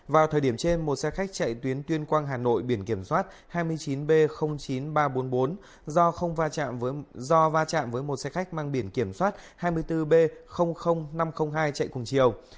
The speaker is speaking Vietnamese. vào thời điểm trên một xe khách chạy tuyến tuyên quang hà nội biển kiểm soát hai mươi chín b chín nghìn ba trăm bốn mươi bốn do không va chạm do va chạm với một xe khách mang biển kiểm soát hai mươi bốn b năm trăm linh hai chạy cùng chiều